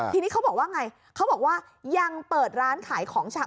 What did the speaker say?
ทีนี้เขาบอกว่าไงเขาบอกว่ายังเปิดร้านขายของชำ